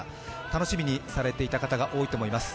楽しみにされていた方が多いと思います。